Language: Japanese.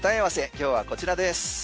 今日はこちらです。